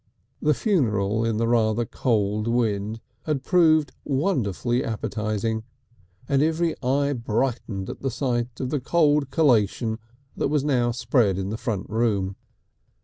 The funeral in the rather cold wind had proved wonderfully appetising, and every eye brightened at the sight of the cold collation that was now spread in the front room.